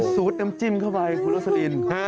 สูดน้ำจิ้มเข้าไปคุณลักษณีย์